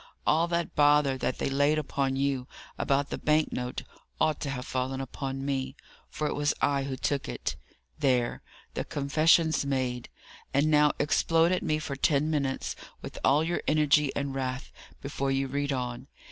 All that bother that they laid upon you about the bank note ought to have fallen upon me, for it was I who took it. There! the confession's made. And now explode at me for ten minutes, with all your energy and wrath, before you read on.